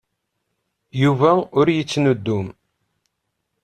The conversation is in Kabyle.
Yuba ur yettnuddum.